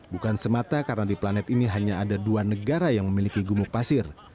bukan semata karena di planet ini hanya ada dua negara yang memiliki gumuk pasir